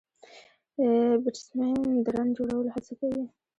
بيټسمېن د رن جوړولو هڅه کوي.